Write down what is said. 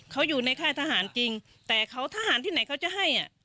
เขาอยู่ในค่ายทหารจริงแต่เขาทหารที่ไหนเขาจะให้